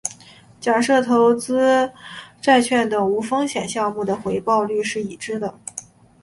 假设投资债券等无风险项目的回报率是已知的。